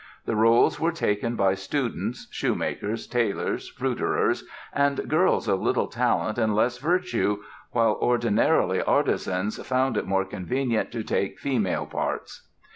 The roles were taken by students, shoemakers, tailors, fruiterers "and girls of little talent and less virtue," while ordinarily artisans "found it more convenient to take female parts."